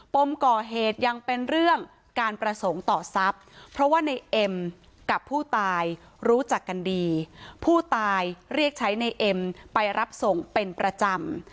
มก่อเหตุยังเป็นเรื่องการประสงค์ต่อทรัพย์เพราะว่าในเอ็มกับผู้ตายรู้จักกันดีผู้ตายเรียกใช้ในเอ็มไปรับส่งเป็นประจำ